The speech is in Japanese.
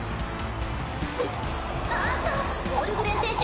あっとオルグレン選手